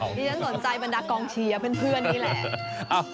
เพราะฉะนั้นสนใจเป็นนักกองเชียร์เพื่อนนี่แหละ